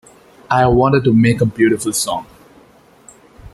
I've wanted to make a beautiful song.